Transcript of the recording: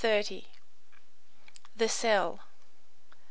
THE CELL.